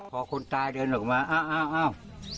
พอคนตายเดินเข้ามาเอ้าเอ้าเอ้า